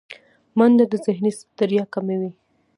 منډه د ذهني ستړیا کموي